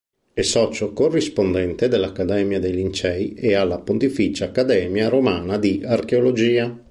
È socio corrispondente dell'Accademia dei Lincei e della Pontificia accademia romana di archeologia.